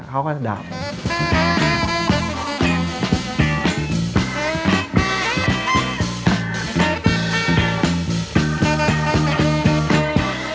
เขาก็จะด่าผม